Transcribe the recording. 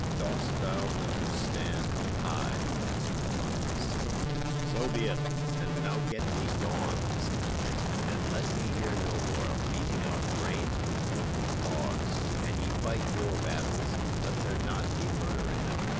Dost thou understand?" "Aye," answered Blunt, sullenly. "So be it, and now get thee gone," said the knight; "and let me hear no more of beating out brains with wooden clogs. An ye fight your battles, let there not be murder in them.